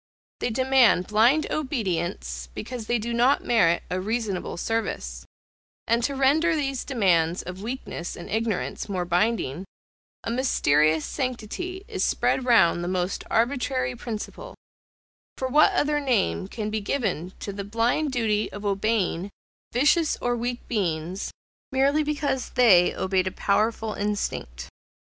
They demand blind obedience, because they do not merit a reasonable service: and to render these demands of weakness and ignorance more binding, a mysterious sanctity is spread round the most arbitrary principle; for what other name can be given to the blind duty of obeying vicious or weak beings, merely because they obeyed a powerful instinct?